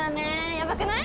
やばくない？